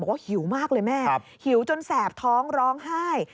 หิวมากเลยแม่หิวจนแสบท้องร้องไห้